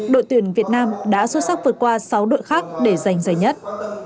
đội tuyển việt nam đã xuất sắc vượt qua sáu đội khác để giành giải nhất